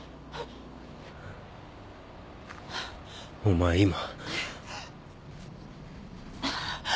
お前今。